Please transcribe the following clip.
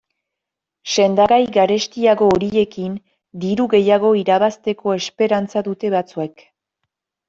Sendagai garestiago horiekin diru gehiago irabazteko esperantza dute batzuek.